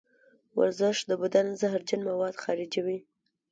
ورزش د بدن زهرجن مواد خارجوي.